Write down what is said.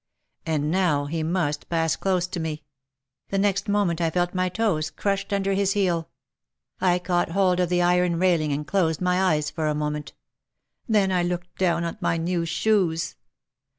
And now he must pass close to me. The next moment I felt my toes crushed under his heel. I caught hold of the iron railing and closed my eyes for a moment. Then I looked down at my new shoes.